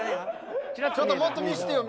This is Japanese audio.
ちょっともっと見してよ。